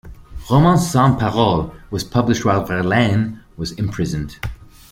"Romances sans paroles" was published while Verlaine was imprisoned.